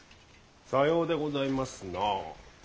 さようでございますなあ。